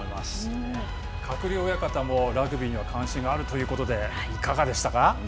鶴竜親方も、ラグビーには関心があるということで、いかがでしたか。